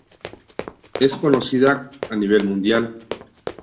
Es conocida a nivel mundial.